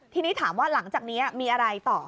ทีนี้ถามว่าหลังจากนี้มีอะไรต่อ